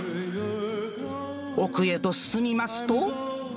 奥へと進みますと。